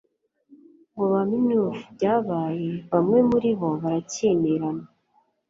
Ngo bmnve ibyabaye, bamwe muri bo barakimirana,